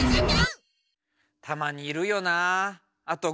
たまにいるよなあ。